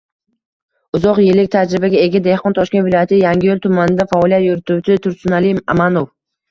Uzoq yillik tajribaga ega dehqon, Toshkent viloyati Yangiyo‘l tumanida faoliyat yurituvchi Tursunali Amanov